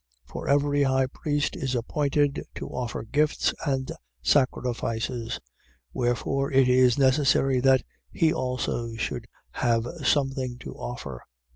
For every high priest is appointed to offer gifts and sacrifices: wherefore it is necessary that he also should have some thing to offer.